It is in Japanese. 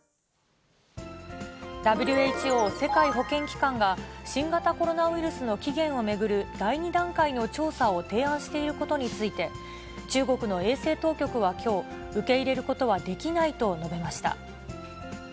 ＷＨＯ・世界保健機関が新型コロナウイルスの起源を巡る第２段階の調査を提案していることについて、中国の衛生当局はきょう、受け入れることはできないと述べました。